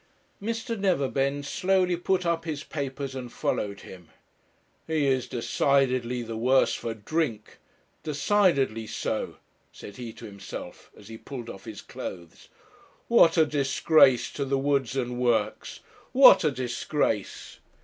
Mr. Neverbend slowly put up his papers and followed him. 'He is decidedly the worse for drink decidedly so,' said he to himself, as he pulled off his clothes. 'What a disgrace to the Woods and Works what a disgrace!'